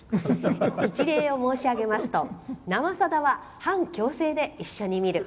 一例を申し上げますと「生さだ」は半強制で一緒に見る。